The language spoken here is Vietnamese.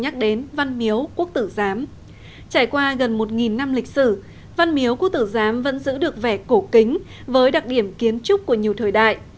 trải qua gần một năm lịch sử văn miếu quốc tử giám vẫn giữ được vẻ cổ kính với đặc điểm kiến trúc của nhiều thời đại